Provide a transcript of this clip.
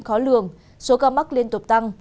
khó lường số ca mắc liên tục tăng